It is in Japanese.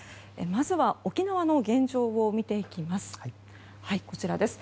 まずは、沖縄の現状を見ていきます。